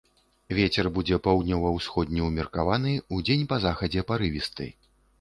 Вецер будзе паўднёва-ўсходні ўмеркаваны, удзень па захадзе парывісты.